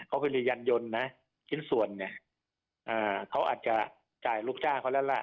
เขาผลิตยันยนต์นะชิ้นส่วนเนี่ยเขาอาจจะจ่ายลูกจ้างเขาแล้วล่ะ